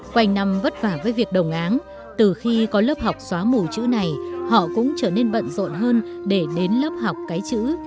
quanh năm vất vả với việc đồng áng từ khi có lớp học xóa mù chữ này họ cũng trở nên bận rộn hơn để đến lớp học cái chữ